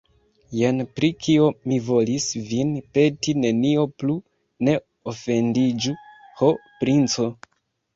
Jen pri kio mi volis vin peti, nenio plu, ne ofendiĝu, ho, princo!